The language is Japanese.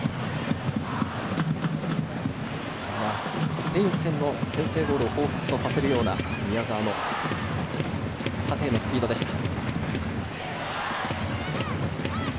スペイン戦の先制ゴールをほうふつとさせるような宮澤の縦へのスピードでした。